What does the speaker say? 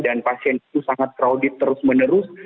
dan pasien itu sangat kraudit terus menerus